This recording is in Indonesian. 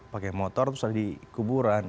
pakai motor terus ada di kuburan